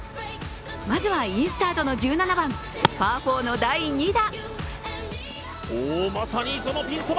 まずはインスタートの１７番、パー４の第２打。